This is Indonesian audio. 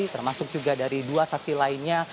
termasuk juga dari dua saksi lainnya